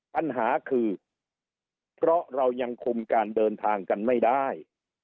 ปัญหาคือเพราะเรายังคุมการเดินทางกันไม่ได้